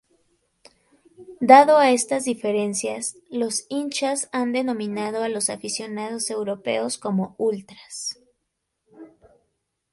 Dado a estas diferencias, los hinchas han denominado a los aficionados europeos como "Ultras".